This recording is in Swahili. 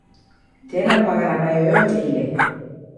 Tena kwa gharama yoyote ile.